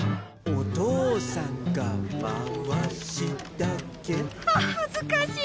「お父さんがまわしだけ」ははずかしい！